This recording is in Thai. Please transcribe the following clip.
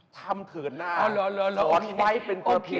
ทำเผลอหน้าสอนว่ายเป็นเกิดที่ดี